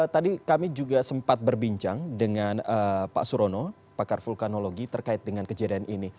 tadi kami juga sempat berbincang dengan pak surono pakar vulkanologi terkait dengan kejadian ini